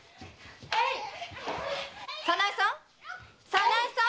早苗さん！